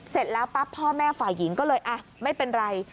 เสร็จแล้วปั๊บพ่อแม่ฝ่ายหญิงก็เลยไม่เป็นไร